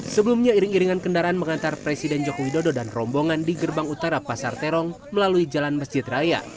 sebelumnya iring iringan kendaraan mengantar presiden joko widodo dan rombongan di gerbang utara pasar terong melalui jalan masjid raya